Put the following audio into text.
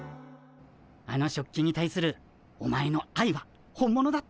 あの食器に対するお前のあいは本物だった。